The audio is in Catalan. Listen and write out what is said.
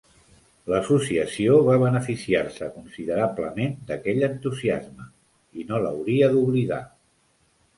L'Associació va beneficiar-se considerablement d'aquell entusiasme i no l'hauria d'oblidar.